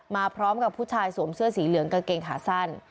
มาพร้อมกับผู้ชายสวมเสื้อสีเหลืองกางเกงขาสั้น